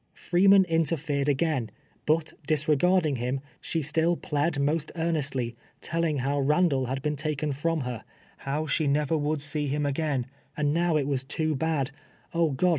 Freeman interfered again, bnt, disregarding him, she still plead most earnestly, telling how Ilandall had been taken from her — how she never wonld see him again, and now it was too bad — oh, God